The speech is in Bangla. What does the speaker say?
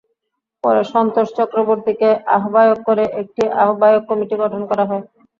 পরে সন্তোষ চক্রবর্তীকে আহ্বায়ক করে একটি আহ্বায়ক কমিটি গঠন করা হয়।